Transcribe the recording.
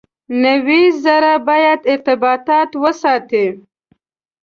نوي زره باید ارتباطات وساتي.